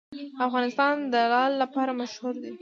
افغانستان د لعل لپاره مشهور دی.